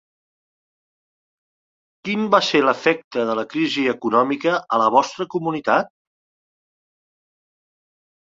Quin va ser l'efecte de la crisi econòmica a la vostra comunitat?